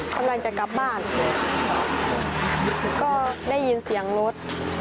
กำลังจะกลับบ้านก็ได้ยินเสียงรถ